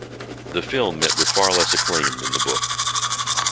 The film met with far less acclaim than the book.